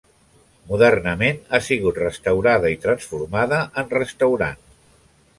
Modernament ha sigut restaurada i transformada en restaurant.